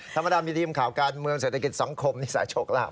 ธรรมดามีทีมข่าวการเมืองเศรษฐกิจสังคมนิสาโชคลาภ